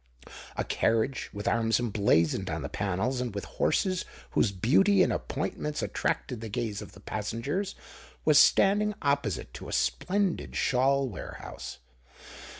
A carriage, with arms emblazoned on the panels, and with horses whose beauty and appointments attracted the gaze of the passengers, was standing opposite to a splendid shawl warehouse.